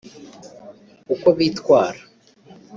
uko bitwara